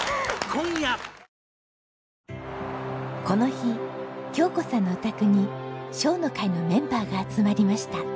この日京子さんのお宅に笑の会のメンバーが集まりました。